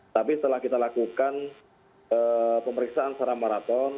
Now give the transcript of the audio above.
tapi setelah kita lakukan pemeriksaan secara maraton